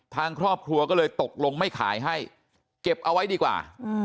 ทางครอบครัวก็เลยตกลงไม่ขายให้เก็บเอาไว้ดีกว่า